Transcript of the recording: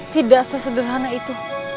tidak sesederhana itu